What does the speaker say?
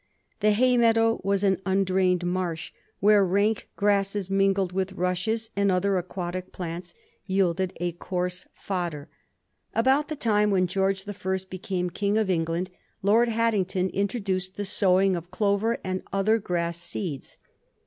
The hay meadow was an undrained marsh, where rank grasses mingled with rushes and other aquatic plants yielded Digiti zed by Google 1714 FAMINES IN SCOTLAND. 117 a coarse fodder. About the time when George the First became King of England, Lord Haddington introduced the sowing of clover and other gras& seeds.